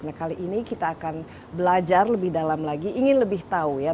nah kali ini kita akan belajar lebih dalam lagi ingin lebih tahu ya